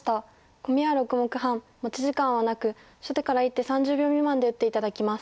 コミは６目半持ち時間はなく初手から１手３０秒未満で打って頂きます。